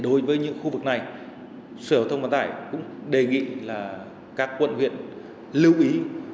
đối với những khu vực này sở thông văn tải cũng đề nghị các quận huyện lưu ý